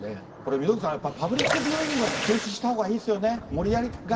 溝口さん、パブリックビューイングは中止したほうがいいですよね。